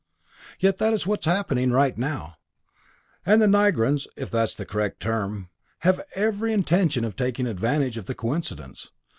Yet that is what is happening right now. And the Nigrans if that's the correct term have every intention of taking advantage of the coincidence.